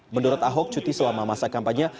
menurut ahok cuti selama masa kampanye